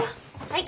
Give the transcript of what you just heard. はい。